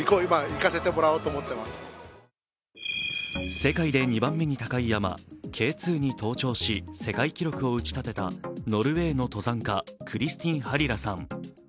世界で２番目に高い山、Ｋ２に登頂し世界記録を打ち立てたノルウェーの登山家、クリスティン・ハリラさん。